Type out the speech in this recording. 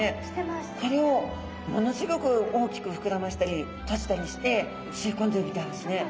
これをものすギョく大きく膨らましたり閉じたりして吸い込んでるみたいですね。